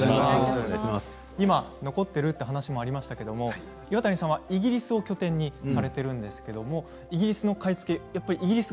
今、残っているという話がありましたけども、岩谷さんはイギリスを拠点にされているんですけれどもイギリスの買い付け